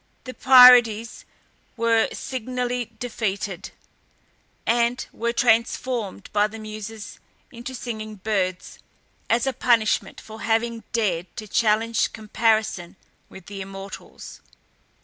The Pierides were signally defeated, and were transformed by the Muses into singing birds, as a punishment for having dared to challenge comparison with the immortals.